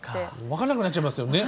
分かんなくなっちゃいますよね。